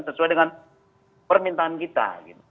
sesuai dengan permintaan kita